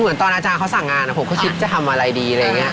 เหมือนตอนอาจารย์เขาสั่งงานคิดจะทำอะไรดี